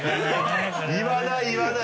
言わない言わない。